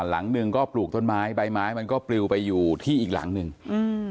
หลังหนึ่งก็ปลูกต้นไม้ใบไม้มันก็ปลิวไปอยู่ที่อีกหลังหนึ่งอืม